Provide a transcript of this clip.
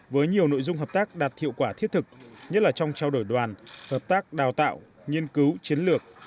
với nhiều nội dung hợp tác đạt hiệu quả thiết thực nhất là trong trao đổi đoàn hợp tác đào tạo nghiên cứu chiến lược